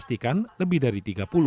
pastikan lebih dari tiga puluh